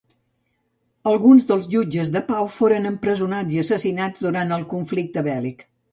Alguns dels jutges de pau foren empresonats i assassinats durant el conflicte bèl·lic.